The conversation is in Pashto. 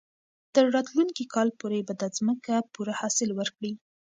تر راتلونکي کال پورې به دا مځکه پوره حاصل ورکړي.